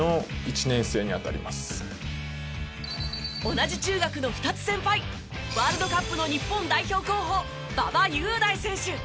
同じ中学の２つ先輩ワールドカップの日本代表候補馬場雄大選手。